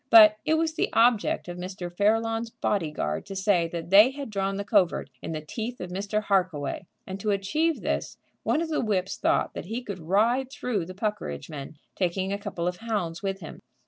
But it was the object of Mr. Fairlawn's body guard to say that they had drawn the covert in the teeth of Mr. Harkaway, and to achieve this one of the whips thought that he could ride through the Puckeridge men, taking a couple of hounds with him.